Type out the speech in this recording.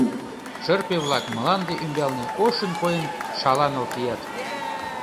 Шырпе-влак мланде ӱмбалне ошын койын шаланыл кият.